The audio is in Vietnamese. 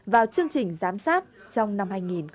vào chương trình giám sát trong năm hai nghìn một mươi bảy